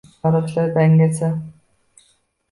Farroshlar dangasa –